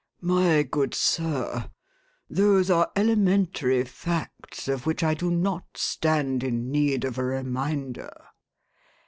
"My good sir, those are elementary facts of which I do not stand in need of a reminder."